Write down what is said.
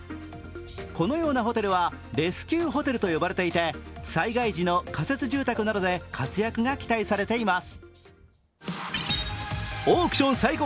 このようなホテルはレスキューホテルと呼ばれていて、災害時の仮設住宅などで活躍が期待されています。